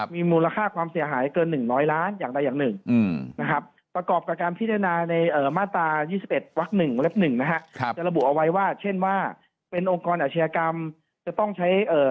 มีมูลค่าความเสียหายเกิน๑๐๐ล้านอย่างได้อย่างหนึ่งประกอบกับการพิจารณาใน